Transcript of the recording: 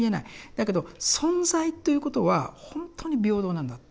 だけど存在ということはほんとに平等なんだと。